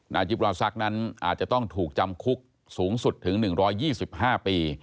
จิปราศักดิ์นั้นอาจจะต้องถูกจำคุกสูงสุดถึง๑๒๕ปี